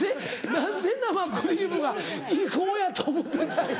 何で生クリームは違法やと思ってたんや？